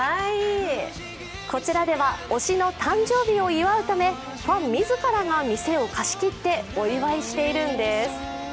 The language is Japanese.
こちらでは推しの誕生日を祝うためファン自らが店を貸し切ってお祝いしているんです。